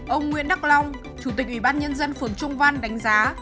ông nguyễn đắc long chủ tịch ủy ban nhân dân phường trung văn đánh giá